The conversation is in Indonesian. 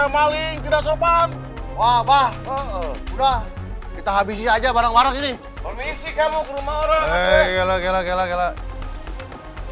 maling tidak sopan wah pak udah kita habisi aja bareng bareng ini